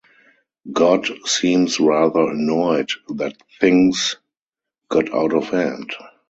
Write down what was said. God seems rather annoyed that things 'got out of hand'.